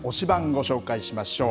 ご紹介しましょう。